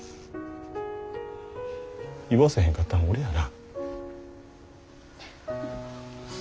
言わせへんかったん俺やな。